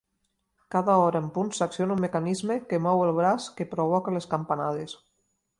Cada hora en punt s'acciona un mecanisme que mou el braç que provoca les campanades.